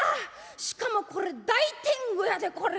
しかもこれ大天狗やでこれ。